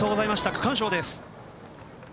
区間賞です。